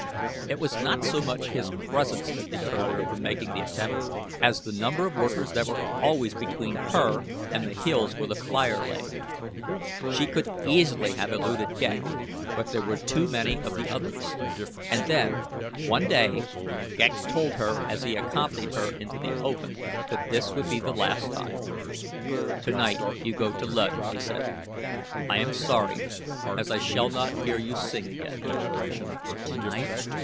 It was not so much his presence that deterred her from making the attempt as the number of workers that were always between her and the hills where the flier lay. She could easily have eluded Ghek, but there were too many of the others. And then, one day, Ghek told her as he accompanied her into the open that this would be the last time. "Tonight you go to Luud," he said. "I am sorry as I shall not hear you sing again." "Tonight!"